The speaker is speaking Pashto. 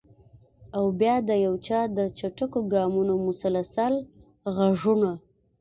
او بیا د یو چا د چټکو ګامونو مسلسل غږونه!